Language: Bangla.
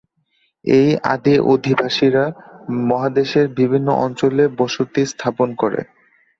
এই আদি অভিবাসীরা মহাদেশের বিভিন্ন অঞ্চলে বসতি স্থাপন করে।